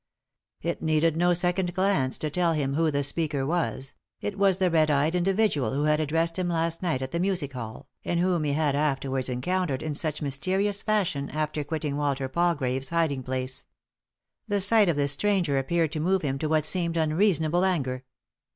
It needed no second glance to tell him who the speaker was — it was the red eyed individual who had addressed him last night at the music hall, and whom he had afterwards encountered in such mysterious fashion after quitting Walter Palgrave's hiding place. The sight of this stranger appeared to move him to what seemed unreasonable anger.